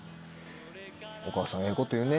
お母さんええこと言うね。